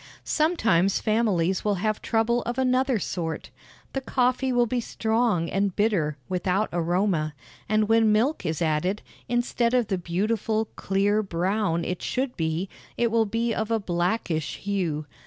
Sometimes families will have trouble of another sort. The coffee will be strong and bitter, without aroma, and when milk is added, instead of the beautiful, clear brown it should be, it will be of a blackish hue.